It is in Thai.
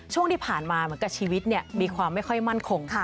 ช่วงที่ผ่านมาเหมือนกับชีวิตมีความไม่ค่อยมั่นคง